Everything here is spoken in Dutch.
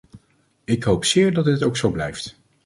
Ik hoop zeer dat dit ook zo blijft.